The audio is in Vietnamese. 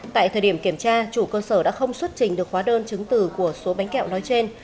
tại thời điểm kiểm tra chủ cơ sở đã không xuất trình được khóa đơn chứng từ của số bánh kẹo nói trên